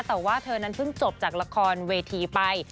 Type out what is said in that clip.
แต่ว่าเธอนั้นเพิ่งจบจากละครเวทีไป